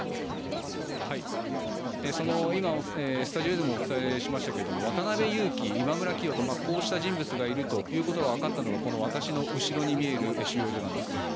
今スタジオでもお伝えしましたけど渡邉優樹、今村磨人こうした人物がいるということが分かったのがこの私の後ろに見える収容所なんですね。